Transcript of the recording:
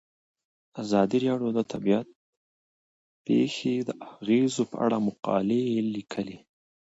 ازادي راډیو د طبیعي پېښې د اغیزو په اړه مقالو لیکلي.